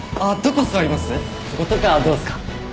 こことかどうっすか？